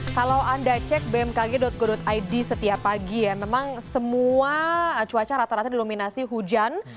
kalau anda cek bmkg go id setiap pagi ya memang semua cuaca rata rata didominasi hujan